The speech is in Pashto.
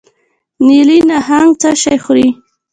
نیلي نهنګ څه شی خوري؟